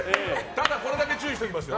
ただ、これだけ注意しておきますよ。